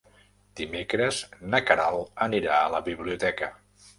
Dimecres na Queralt anirà a la biblioteca.